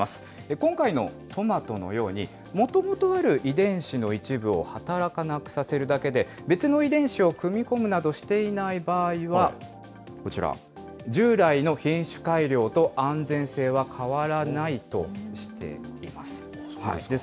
今回のトマトのように、もともとある遺伝子の一部を働かなくさせるだけで、別の遺伝子を組み込むなどしていない場合は、こちら、従来の品種改良と安全性は変わらないとしています。